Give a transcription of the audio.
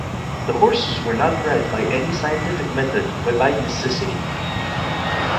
The horses were not bred by any scientific method but by necessity.